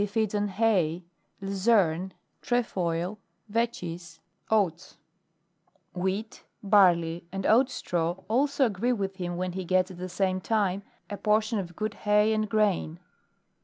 feeds on hay, luzerne, trefoil, vetches, oats ; wheat, barley, and oat straw, also agree with him when he gets at the same time, a portion of good hay and grain.